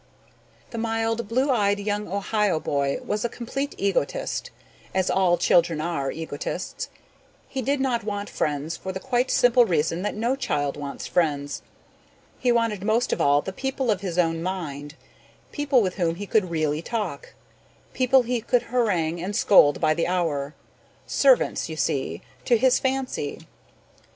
The mild, blue eyed young Ohio boy was a complete egotist, as all children are egotists. He did not want friends for the quite simple reason that no child wants friends. He wanted most of all the people of his own mind, people with whom he could really talk, people he could harangue and scold by the hour, servants, you see, to his fancy.